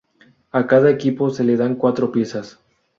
A cada equipo se le dan cuatro piezas.